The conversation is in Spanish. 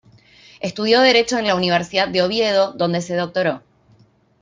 Estudió Derecho en la Universidad de Oviedo, donde se doctoró.